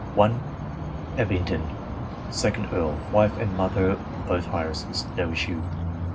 1 Abingdon, 2d Earl ; wife and mother both, heiresses. No issue.